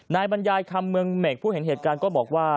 บรรยายคำเมืองเหม็กผู้เห็นเหตุการณ์ก็บอกว่า